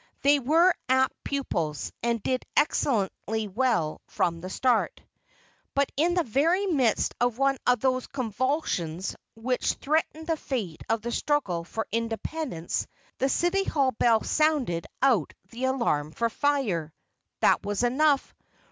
They were apt pupils, and did excellently well from the start. But in the very midst of one of those convulsions which threatened the fate of the struggle for Independence, the City Hall bell sounded out the alarm for fire. That was enough.